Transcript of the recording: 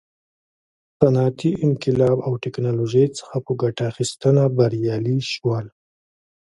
صنعتي انقلاب او ټکنالوژۍ څخه په ګټه اخیستنه بریالي شول.